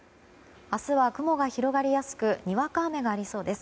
明日は雲が広がりやすくにわか雨がありそうです。